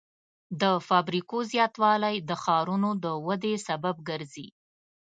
د فابریکو زیاتوالی د ښارونو د ودې سبب ګرځي.